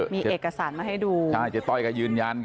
มีเอกสารมาให้ดูใช่เจ๊ต้อยก็ยืนยัน